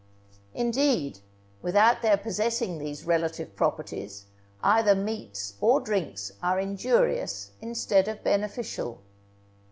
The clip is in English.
Indeed, without their possessing these relative properties, either meats or drinks are injurious instead of beneficial.